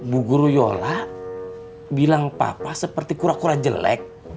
bu guru yola bilang papa seperti kura kura jelek